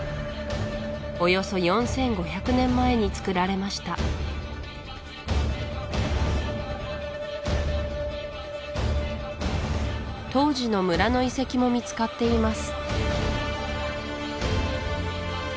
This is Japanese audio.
およそ４５００年前につくられました当時の村の遺跡も見つかっています